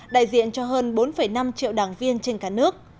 đại diện cho hơn bốn năm triệu đảng viên trên cả nước